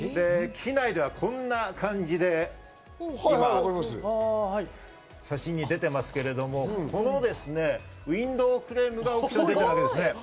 機内ではこんな感じで、写真に出てますけれども、このウインドウフレームがオークションに出てるわけです。